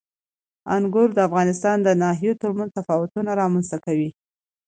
انګور د افغانستان د ناحیو ترمنځ تفاوتونه رامنځ ته کوي.